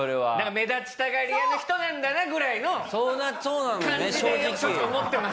目立ちたがり屋な人なんだなぐらいの感じでちょっと思ってました。